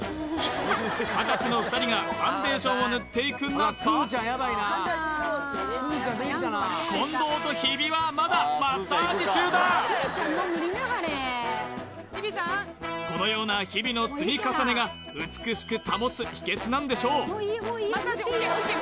２０歳の２人がファンデーションを塗っていく中近藤と日比はまだマッサージ中だこのような日々の積み重ねが美しく保つ秘訣なんでしょう